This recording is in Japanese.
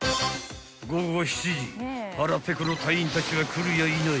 ［午後７時腹ペコの隊員たちは来るやいなや］